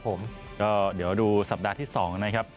ผมก็เดี๋ยวดูสัปดาห์ที่๒นะครับ